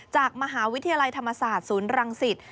จากมหาวิทยาลัยธรรมศาสตร์ศูนย์รังสิต